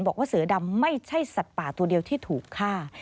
บอกว่าเสือดำไม่ใช่สัตว์ป่าตัวเดียวที่ถูกฆ่า